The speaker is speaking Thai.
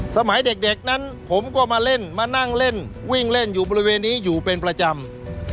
สมัยเด็กนั้นผมก็มาเล่นมานั่งเล่นวิ่งเล่นอยู่บริเวณนี้อยู่เป็นประจำ